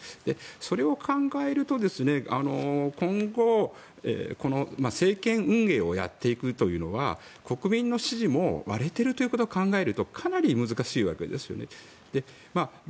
それを考えると今後政権運営をやっていくというのは国民の支持も割れてるということを考えるとかなり難しいわけですよね。